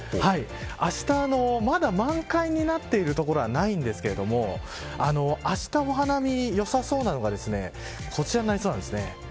あした、まだ満開になっている所はないんですけれどもあした、お花見良さそうなのがこちらになりそうです。